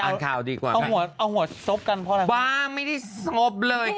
ข่าวดีกว่าเอาหัวเอาหัวซบกันเพราะอะไรบ้าไม่ได้สงบเลย